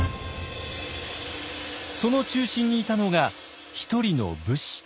その中心にいたのが１人の武士。